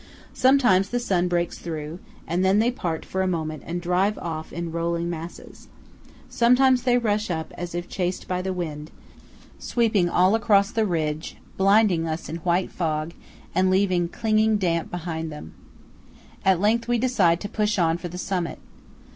Sometimes the sun breaks through, and then they part for a moment and drive off in rolling masses. Sometimes they rush up, as if chased by the wind, sweeping all across the ridge, blinding us in white fog, and leaving clinging damp behind them. At length we decide to push on for the summit.